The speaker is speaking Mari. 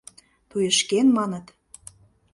— Туешкен, маныт.